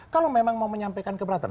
kalau memang mau menyampaikan keberatan